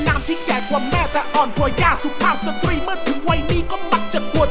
เรียกว่าป้ามันก็ดีมากมาย